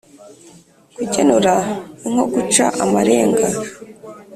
Kugenura ni nko guca amarenga